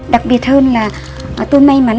đặc biệt hơn là tôi may mắn